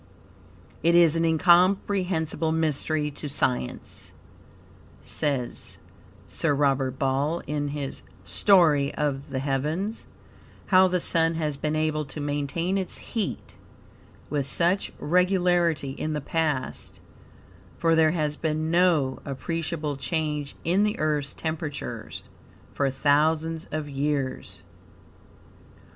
"It is an incomprehensible mystery to science," says Sir Robert Ball, in his "Story of the Heavens," "how the Sun has been able to maintain its heat with such regularity in the past, for there has been no appreciable change in the Earth's temperature for thousands of years."